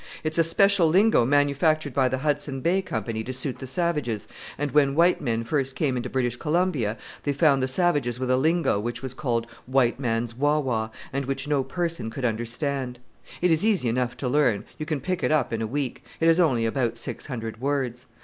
It's a special lingo manufactured by the Hudson Bay Company to suit the savages, and when white men first came into British Columbia they found the savages with a lingo which was called white man's wa wa, and which no person could understand; it is easy enough to learn, you can pick it up in a week; it has only about six hundred words.